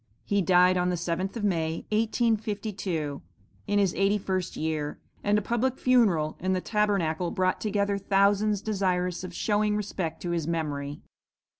"He died on the 7th of May, 1852, in his eighty first year, and a public funeral in the Tabernacle brought together thousands desirous of showing respect to his memory."